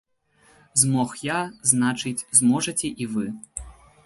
Змог я, значыць, зможаце і вы.